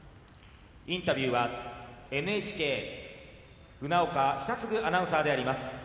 インタビューはＮＨＫ船岡久嗣アナウンサーであります。